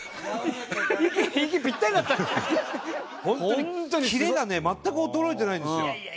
本当にキレがね全く衰えてないんですよ。